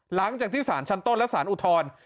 หลังจากที่สารชั้นต้นและสารอุทธรณ์